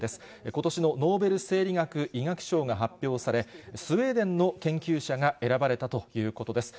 ことしのノーベル生理学・医学賞が発表され、スウェーデンの研究者が選ばれたということです。